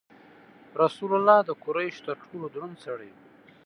رسول الله د قریشو تر ټولو دروند سړی و.